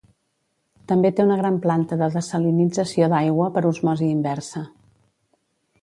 També té una gran planta de dessalinització d'aigua per osmosi inversa.